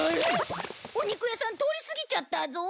お肉屋さん通り過ぎちゃったぞ！